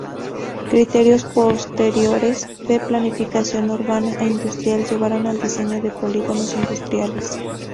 Criterios posteriores de planificación urbana e industrial llevaron al diseño de polígonos industriales.